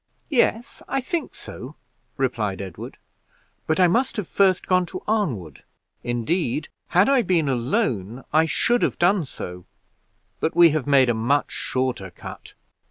"Yes; I think so," replied Edward; "but I must have first gone to Arnwood. Indeed, had I been alone I should have done so; but we have made a much shorter cut."